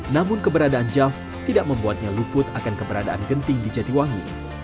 namun keberadaan jav tidak membuatnya luput akan keberadaan genting di jatiwangi